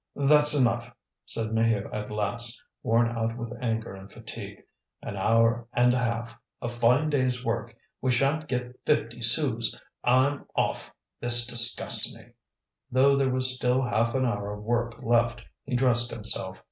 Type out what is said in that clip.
"That's enough," said Maheu at last, worn out with anger and fatigue. "An hour and a half! A fine day's work! We shan't get fifty sous! I'm off. This disgusts me." Though there was still half an hour of work left he dressed himself.